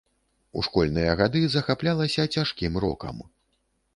У школьныя гады захаплялася цяжкім рокам.